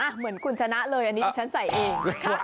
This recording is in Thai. เหมือนคุณชนะเลยอันนี้ฉันใส่เอง